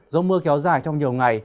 dù mưa kéo dài trong nhiều ngày